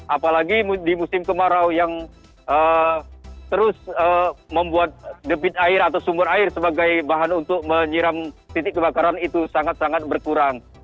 apalagi di musim kemarau yang terus membuat debit air atau sumber air sebagai bahan untuk menyiram titik kebakaran itu sangat sangat berkurang